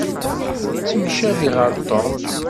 Ttemcabiɣ ɣer Tom.